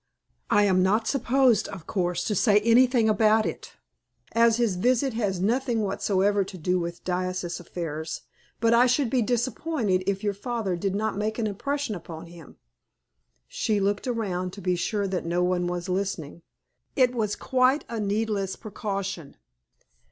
I am not supposed, of course, to say anything about it, as his visit has nothing whatever to do with diocesan affairs, but I should be disappointed if your father did not make an impression upon him." She looked around to be sure that no one was listening. It was quite a needless precaution.